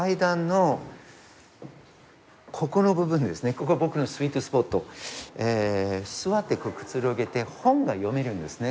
ここ僕のスイートスポットえ座ってくつろげて本が読めるんですね